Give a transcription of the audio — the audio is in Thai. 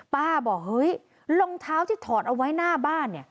บอกเฮ้ยรองเท้าที่ถอดเอาไว้หน้าบ้านเนี่ย